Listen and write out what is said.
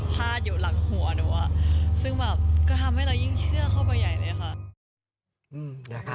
อยู่หลังหัวหนูซึ่งแบบก็ทำให้เรายิ่งเชื่อเข้าไปใหญ่เลยค่ะ